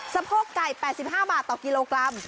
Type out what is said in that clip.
สะโพกไก่๘๕บาทต่อกิโลกรัม